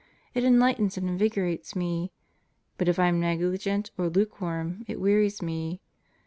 It enlightens and invigorates me. But if I am negligent or lukewarm ... it wearies me.